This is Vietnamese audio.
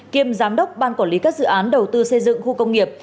kiêm giám đốc ban quản lý các dự án đầu tư xây dựng khu công nghiệp